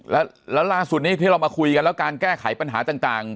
แล้วล่าสุดนี้ที่เรามาคุยกันแล้วการแก้ไขปัญหาต่าง